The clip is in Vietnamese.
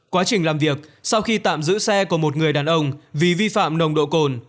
quá trình làm việc sau khi tạm giữ xe của một người đàn ông vì vi phạm nồng độ cồn